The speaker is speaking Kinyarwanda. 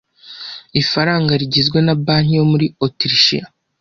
Ifaranga rigizwe na banki yo muri Otirishiya